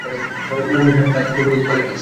We have nothing to do with politics.